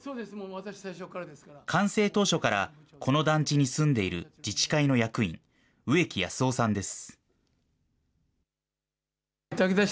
完成当初から、この団地に住んでいる自治会の役員、植木保夫さんです。